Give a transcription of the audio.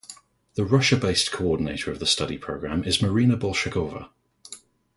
The Russia-based coordinator of the study program is Marina Bolshakova.